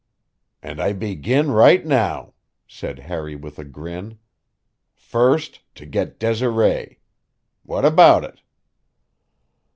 "And I begin right now," said Harry with a grin. "First, to get Desiree. What about it?"